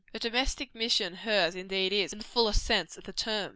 A domestic mission hers indeed is, in the fullest sense of the term.